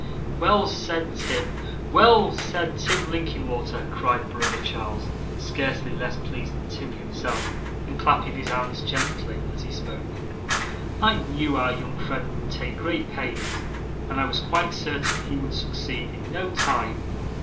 'Well said, Tim well said, Tim Linkinwater!' cried brother Charles, scarcely less pleased than Tim himself, and clapping his hands gently as he spoke. 'I knew our young friend would take great pains, and I was quite certain he would succeed, in no time.